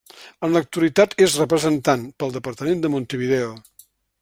En l'actualitat és representant pel departament de Montevideo.